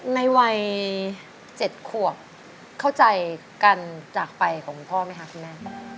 ในวัย๗ขวบเข้าใจการจากไปของคุณพ่อไหมคะคุณแม่